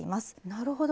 なるほど。